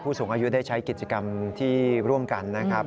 สูงอายุได้ใช้กิจกรรมที่ร่วมกันนะครับ